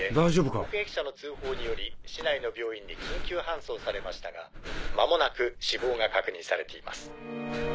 目撃者の通報により市内の病院に緊急搬送されましたが間もなく死亡が確認されています。